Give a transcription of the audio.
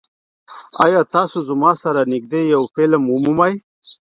ایا تاسو زما سره نږدې یو فلم ومومئ؟